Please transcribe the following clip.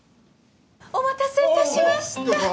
お待たせいたしました。